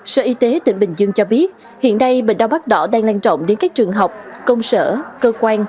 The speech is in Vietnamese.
sở y tế tỉnh bình dương cho biết hiện nay bệnh đau mắt đỏ đang lan trọng đến các trường học công sở cơ quan